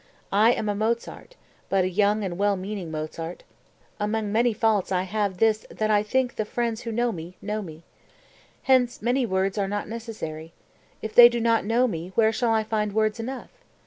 I am a Mozart, but a young and well meaning Mozart. Among many faults I have this that I think that the friends who know me, know me. Hence many words are not necessary. If they do not know me where shall I find words enough?